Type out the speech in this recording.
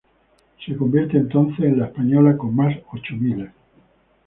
Se convierte entonces en la española con más "ochomiles".